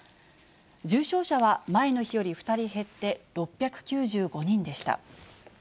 重症者は前の日より２人減って６９５人でした。